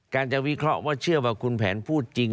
การจะวิเคราะห์ว่าเชื่อว่าคุณแผนพูดจริง